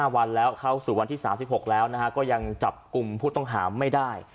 ๕วันแล้วเข้าสู่วันที่๓๖แล้วก็ยังจับกลุ่มผู้ต้องหาไม่ได้